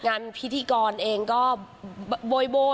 งานพิธีกรเองก็โบย